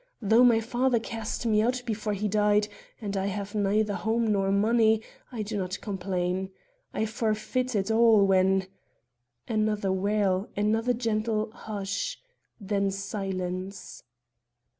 Though my father cast me out before he died, and I have neither home nor money, I do not complain. I forfeited all when " another wail, another gentle "hush!" then silence.